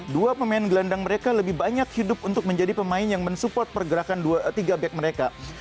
dua pemain gelandang mereka lebih banyak hidup untuk menjadi pemain yang mensupport pergerakan tiga back mereka